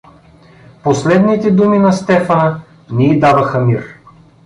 Последните думи на Стефана не й даваха мир.